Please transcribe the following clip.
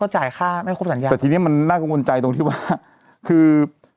จ่ายค่าไม่ครบสัญญาแต่ทีนี้มันน่ากังวลใจตรงที่ว่าคือ